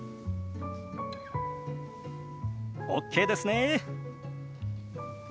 ＯＫですね！